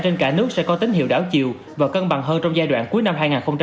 trên cả nước sẽ có tín hiệu đảo chiều và cân bằng hơn trong giai đoạn cuối năm hai nghìn hai mươi